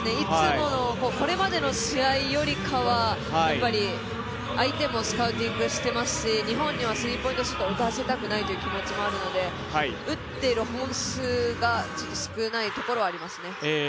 これまでの試合よりかは相手もスカウティングしていますし日本にはスリーポイントシュートを打たせたくないという気持ちもあるので、打っている本数が少ないところはありますね。